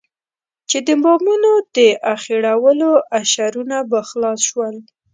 چې د بامونو د اخېړولو اشرونه به خلاص شول.